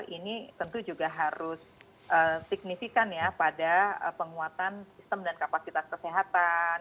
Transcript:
ini tentu juga harus signifikan ya pada penguatan sistem dan kapasitas kesehatan